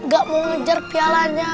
gak mau ngejar pialanya